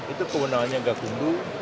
itu kewenangannya gakundu